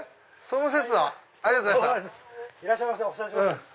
その節はありがとうございます。